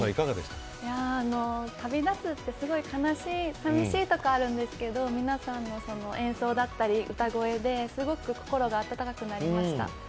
旅立つってすごい悲しい寂しいとかあるんですけど皆さんの演奏だったり歌声ですごく心が温かくなりました。